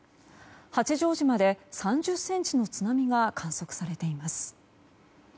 八丈島で３０ｃｍの津波が観測されています。